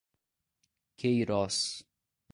Queiroz